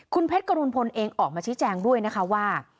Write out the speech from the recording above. คุณเพชรกรุณพลเองออกมาชี้แจงด้วยนะคะว่า